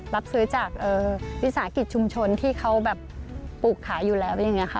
รับซื้อจากวิสาหกิจชุมชนที่เขาแบบปลูกขายอยู่แล้วอะไรอย่างนี้ค่ะ